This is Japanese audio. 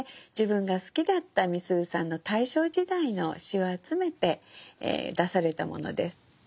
自分が好きだったみすゞさんの大正時代の詩を集めて出されたものです。